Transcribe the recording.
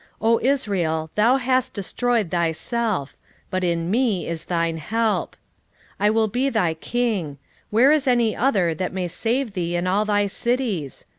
13:9 O Israel, thou hast destroyed thyself; but in me is thine help. 13:10 I will be thy king: where is any other that may save thee in all thy cities?